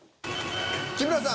木村さん。